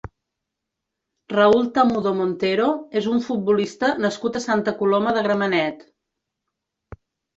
Raúl Tamudo Montero és un futbolista nascut a Santa Coloma de Gramenet.